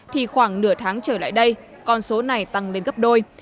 thì khoảng nửa tháng trở lại đây con số này tăng lên gấp đôi